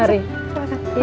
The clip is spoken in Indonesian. terima kasih ibu